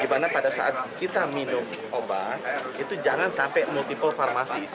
dimana pada saat kita minum obat itu jangan sampai multiple farmasi